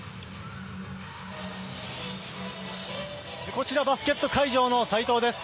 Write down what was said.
こちら、バスケット会場の斎藤です。